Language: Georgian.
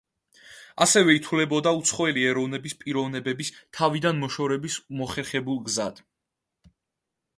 ასევე ითვლებოდა უცხოელი ეროვნების პიროვნებების თავიდან მოშორების მოხერხებულ გზად.